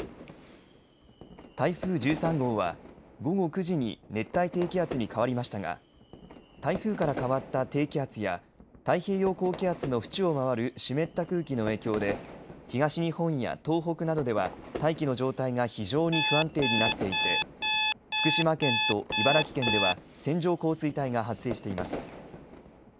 台風１３号は午後９時に熱帯低気圧に変わりましたが台風から変わった低気圧や太平洋高気圧の縁を回る湿った空気の影響で東日本や東北などでは大気の状態が非常に不安定になっていて福島県と茨城県では線状降水帯が発生しています。